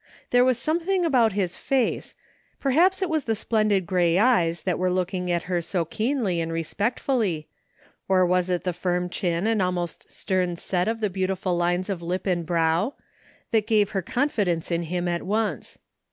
Theffe was something about his face — ^perhaps it was the splendid gray eyes that were looking at her so keenly and respectfully, or wais it the firm chin and almost ster^^ set of the beautiful lines of lip and brow — ^that gave her confidence in him at once.